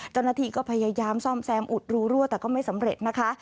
เจ้าหน้าที่ก็พยายามซ่อมแซมอุดรูรั่วแต่ก็ไม่สำเร็จนะคะ